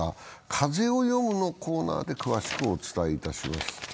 「風をよむ」のコーナーで詳しくお伝えします。